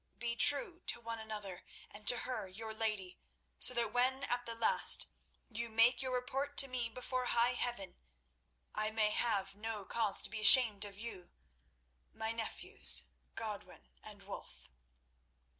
Be true to one another, and to her, your lady, so that when at the last you make your report to me before high Heaven, I may have no cause to be ashamed of you, my nephews, Godwin and Wulf."